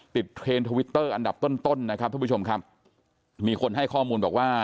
เทรนด์ทวิตเตอร์อันดับต้นต้นนะครับทุกผู้ชมครับมีคนให้ข้อมูลบอกว่า